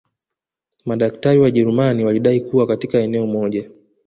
Madaktari Wajerumani walidai kuwa katika eneo moja